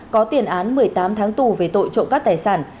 có tiền án một mươi tám tháng tù về tội trộm cắp tài sản